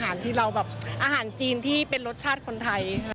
อาหารจีนที่เป็นรสชาติคนไทย